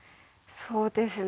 そうですね。